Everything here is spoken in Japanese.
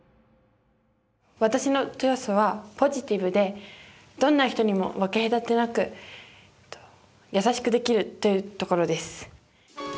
私の長所はポジティブでどんな人にも分け隔てなく優しくできるというところです。